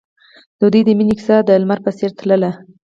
د دوی د مینې کیسه د لمر په څېر تلله.